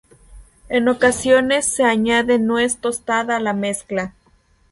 En ocasiones se añade nuez tostada a la mezcla.